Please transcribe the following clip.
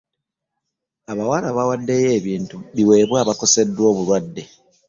Abawala bawaddeyo ebintu biweebwe abakoseddwa obulwadde.